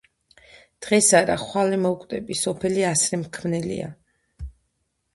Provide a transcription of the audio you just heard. დღეს არა, ხვალე მოვკვდები, სოფელი ასრე მქმნელია